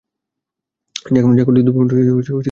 Jaguar যুদ্ধবিমানটি দুই ইঞ্জিনের।